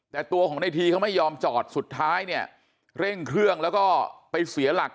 แต่ตัวของในทีเขาไม่ยอมจอดสุดท้ายเนี่ยเร่งเครื่องแล้วก็ไปเสียหลัก